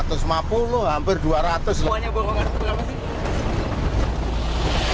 tuanya borongan itu berapa sih